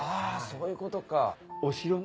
そういうことです。